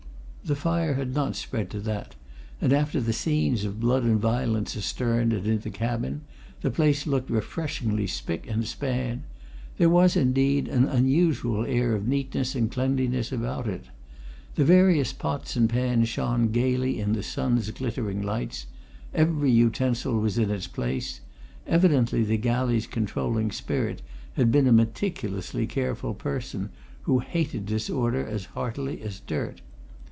The fire had not spread to that, and after the scenes of blood and violence astern and in the cabin the place looked refreshingly spick and span; there was, indeed, an unusual air of neatness and cleanliness about it. The various pots and pans shone gaily in the sun's glittering lights; every utensil was in its place; evidently the galley's controlling spirit had been a meticulously careful person who hated disorder as heartily as dirt.